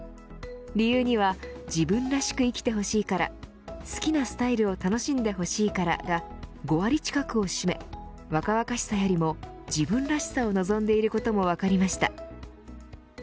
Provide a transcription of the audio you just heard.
理由には自分らしく生きてほしいから好きなスタイルを楽しんでほしいからが５割近くを占め若々しさよりも自分らしさを望んでいることも分かりました。